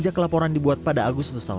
yang melayani saya yang membesar